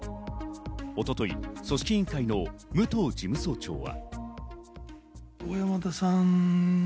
一昨日、組織委員会の武藤事務総長は。